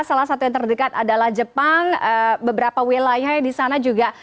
salah satu yang terdekat adalah jepang beberapa wilayah di sana juga